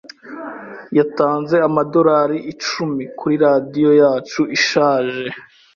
Yatanze amadorari icumi kuri radio yacu ishaje.